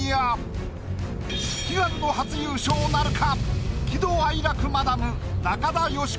悲願の初優勝なるか？